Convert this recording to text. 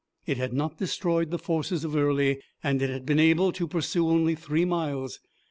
It had not destroyed the forces of Early, and it had been able to pursue only three miles.